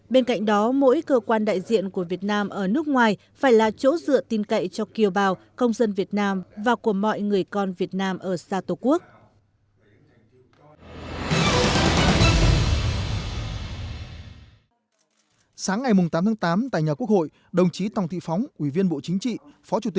bên cạnh đó mỗi cơ quan đại diện của việt nam ở nước ngoài phải là chỗ dựa tin cậy cho kiều bào công dân việt nam và của mọi người con việt nam ở xa tổ quốc